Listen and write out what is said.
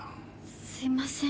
すいません。